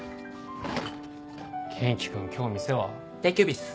元気君今日店は？定休日っす。